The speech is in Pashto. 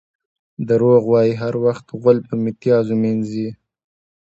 دروغ وایي؛ هر وخت غول په میتیازو مینځي.